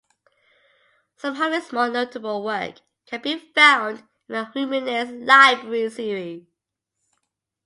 Some of his more notable work can be found in The Humanists' Library series.